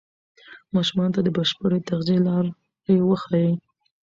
ماشومانو ته د بشپړې تغذیې لارې وښایئ.